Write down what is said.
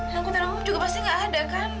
langkutan langkutan juga pasti gak ada kan